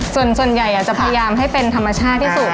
ส่วนใหญ่จะพยายามให้เป็นธรรมชาติที่สุด